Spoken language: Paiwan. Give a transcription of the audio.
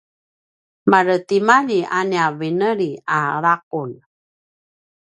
maretimalji a nia veneli a laqulj